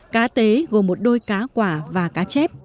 cá tế gồm một đôi cá quả và cá chép